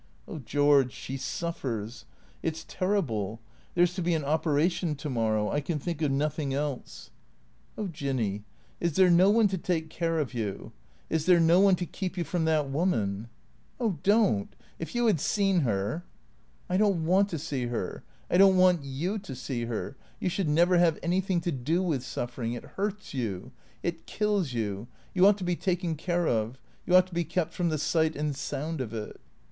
" Oh, George, she suffers. It 's terrible. There 's to be an operation — to morrow. I can think of nothing else." 446 THE CEEATOES " Oh, Jinny, is there no one to take care of you ? Is there no one to keep you from that woman ?"" Oh don't — if you had seen her "" I don't want to see her, I don't want you to see her. You should never have anything to do with suffering. It hurts you. It kills you. You ought to be taken care of. You ought to be kept from the sight and sound of it."